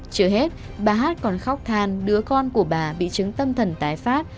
chưa hết bà hát còn khóc than đứa con của bà bị chứng tâm thần tái phát